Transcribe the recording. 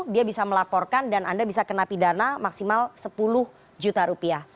dia bisa melaporkan dan anda bisa kena pidana maksimal sepuluh juta rupiah